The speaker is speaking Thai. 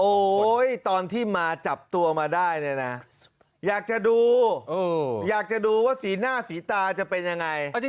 ตอนที่มาจับตัวมาได้เนี่ยนะอยากจะดูอยากจะดูว่าสีหน้าสีตาจะเป็นยังไง